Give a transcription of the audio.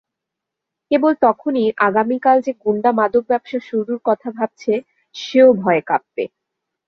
কেবল তখনই আগামীকাল যে গুণ্ডা মাদক ব্যবসা শুরুর কথা ভাবছে সেও ভয়ে কাঁপবে।